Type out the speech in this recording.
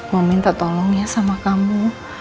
mau minta tolong ya sama kamu